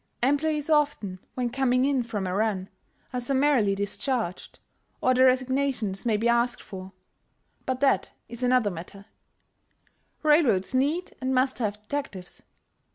Employees often, when coming in from a run, are summarily discharged, or their resignations may be asked for, but that is another matter; railroads need and must have detectives.